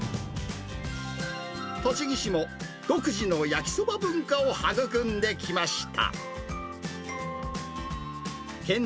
栃木市も独自の焼きそば文化を育んできました。